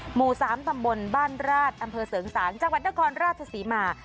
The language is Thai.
หมู่๓ตำบลบ้านราชอำเภอเสริงสางจังหวัดนครราชศรีมา